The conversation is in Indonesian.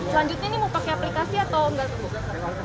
selanjutnya ini mau pakai aplikasi atau enggak